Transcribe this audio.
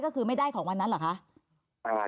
ก็คือไม่ได้ของวันนั้นเหรอคะ